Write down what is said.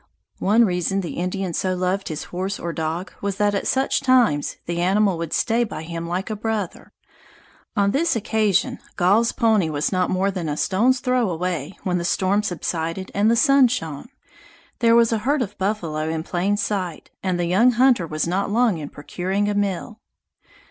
One reason the Indian so loved his horse or dog was that at such times the animal would stay by him like a brother. On this occasion Gall's pony was not more than a stone's throw away when the storm subsided and the sun shone. There was a herd of buffalo in plain sight, and the young hunter was not long in procuring a meal.